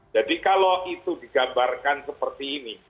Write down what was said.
kalau itu digambarkan seperti ini